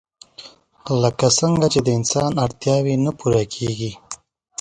لکه څنګه چې د انسان اړتياوې نه پوره کيږي